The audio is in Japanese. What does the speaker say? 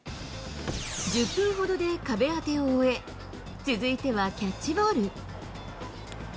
１０分ほどで壁当てを終え、続いてはキャッチボール。